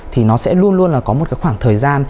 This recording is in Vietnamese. thì nó sẽ luôn luôn là có một khoảng thời gian